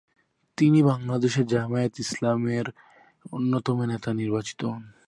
তিনি বাংলাদেশ জামায়াতে ইসলামীর অন্যতম নেতা নির্বাচিত হন।